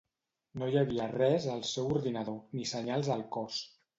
No hi havia res al seu ordinador ni senyals al cos.